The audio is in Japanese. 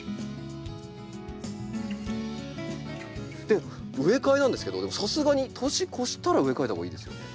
で植え替えなんですけどさすがに年越したら植え替えた方がいいですよね？